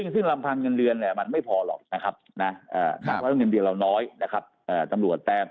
ซึ่งลำพังเงินเดือนมันไม่พอหรอกนะครับนักร้อยเงินเดือนเราน้อยนะครับ